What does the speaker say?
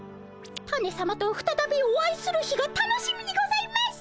タネさまとふたたびお会いする日が楽しみにございます。